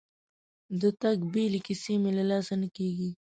د تګ بیلې کیسې مې له لاسه نه کېږي.